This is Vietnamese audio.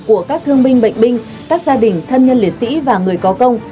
của các thương binh bệnh binh các gia đình thân nhân liệt sĩ và người có công